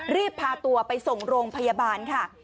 รีบพาตัวไปส่งโรงพยาบาลค่ะ